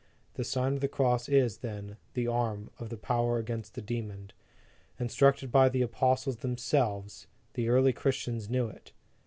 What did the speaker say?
The Sign of the Cross is, then, the arm of power against the demon. Instructed by the apostles themselves, the early Christians knew it.